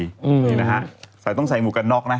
นี่นะฮะแต่ต้องใส่งูกันนอกนะ